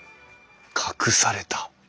隠された？